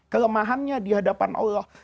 kelemahannya dihadapan allah